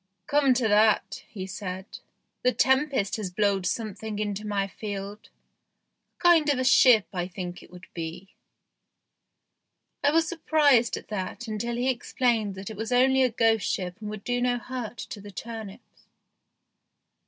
"Come to that," he said, "the tempest has blowed something into my field. A kind of a ship I think it would be." I was surprised at that until he explained that it was only a ghost ship and would do no hurt to the turnips.